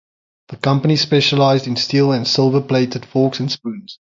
The company specialized in steel and silver-plated forks and spoons.